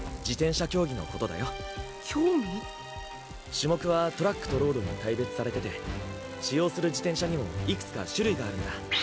種目はトラックとロードに大別されてて使用する自転車にもいくつか種類があるんだ。